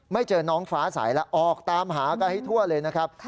เจอน้องฟ้าใสแล้วออกตามหากันให้ทั่วเลยนะครับ